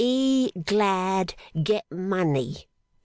E glad get money.